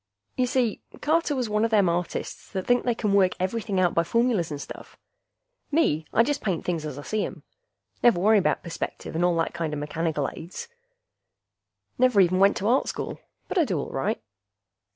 Y'see, Carter was one a them artists that think they can work everything out by formulas and stuff. Me, I just paint things as I see 'em. Never worry about perspective and all that kinda mechanical aids. Never even went to Art School. But I do all right.